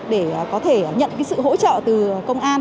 để có thể nhận sự hỗ trợ từ công an